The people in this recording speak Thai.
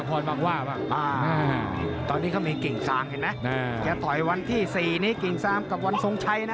แก่ต่อยวันที่สี่นี่กริ่งซางกับวันสงชัย